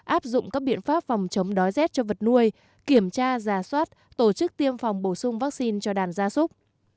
áp dụng các biện pháp phòng chống đói rét cho vật nuôi kiểm tra giả soát tổ chức tiêm phòng bổ sung vaccine cho đàn gia súc